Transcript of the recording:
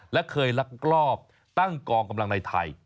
และเคยลักลอบตั้งกองกำลังในไทย